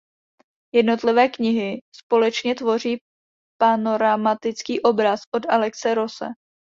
Jednotlivé knihy společně tvoří panoramatický obraz od Alexe Rosse.